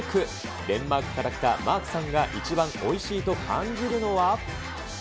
デンマークから来たマークさんが一番おいしいと感じるのは？